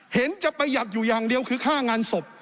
เห็นจะประหยัดอยู่อย่างเดียวคือค่างานศพ